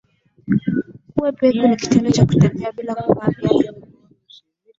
Kuwa peku ni kitendo Cha kutembea bila kuvaa viatu miguuni